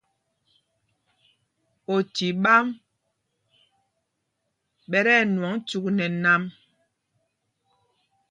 Oci ɓām ɓɛ ti ɛnwɔŋ cyûk nɛ nam.